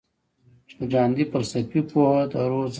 د ګاندي فلسفي پوهه د روح ځواک دی.